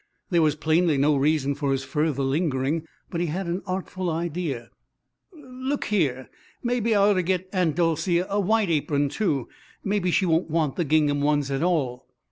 There was plainly no reason for his further lingering. But he had an artful idea. "Look here maybe I ought to get Aunt Dolcey a white apron, too. Maybe she won't want the gingham ones at all."